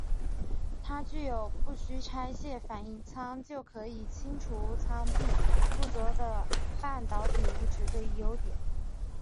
它具有不需拆卸反应舱就可以清除舱壁附着的半导体物质这一优点。